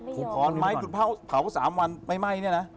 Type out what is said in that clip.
ขอนไม้คุณพ่อเผา๓วันไม่ไหม้เนี่ยนะ